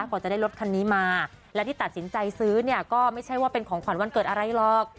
กว่าจะได้รถคันนี้มาและที่ตัดสินใจซื้อเนี่ยก็ไม่ใช่ว่าเป็นของขวัญวันเกิดอะไรหรอก